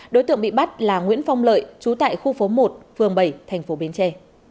đối tượng bị bắt là nguyễn phong lợi chú tại khu phố một phường bảy thành phố bến tre